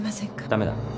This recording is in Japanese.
ダメだ！